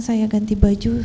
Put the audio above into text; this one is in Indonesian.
saya ganti baju